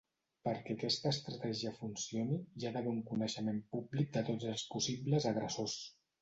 Perquè aquesta estratègia funcioni, hi ha d'haver un coneixement públic de tots els possibles agressors.